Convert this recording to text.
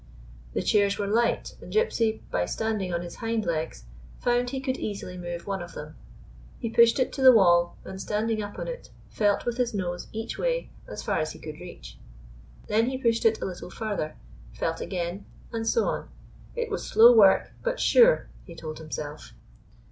The chairs were light, and Gypsy, by stand ing on his liind legs, found he could easily move one of them. He pushed it to the wall, and standing up on it felt with his nose each way as far as he could reach. Then he pushed it a little farther, felt again, and so on. It was slow work, but sure, he told himself.